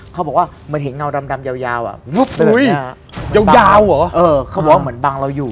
เขาบอกว่าเหมือนเห็นเงาดำยาวเหมือนบังเราอยู่